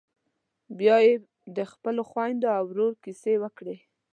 بيا یې د خپلو خويندو او ورور کيسې وکړې.